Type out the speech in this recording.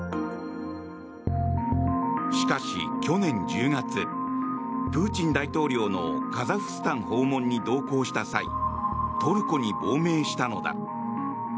しかし、去年１０月プーチン大統領のカザフスタン訪問に同行した際トルコに亡命したのだ。